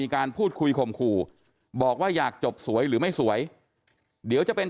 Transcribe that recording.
การพูดคุยข่มขู่บอกว่าอยากจบสวยหรือไม่สวยเดี๋ยวจะเป็น